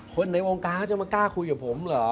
ในวงการเขาจะมากล้าคุยกับผมเหรอ